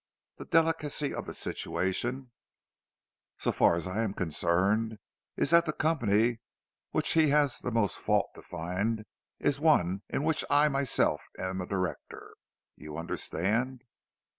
The delicacy of the situation, so far as I am concerned, is that the company with which he has the most fault to find is one in which I myself am a director. You understand?"